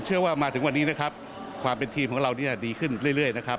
มาถึงวันนี้นะครับความเป็นทีมของเราเนี่ยดีขึ้นเรื่อยนะครับ